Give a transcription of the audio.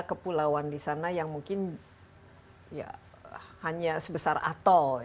ada kepulauan di sana yang mungkin hanya sebesar atol